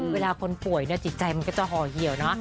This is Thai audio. คนป่วยจิตใจมันก็จะห่อเหี่ยวเนอะ